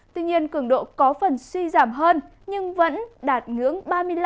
tuy nhiên cường độ có phần suy giảm hơn nhưng vẫn đạt ngưỡng ba mươi năm ba mươi sáu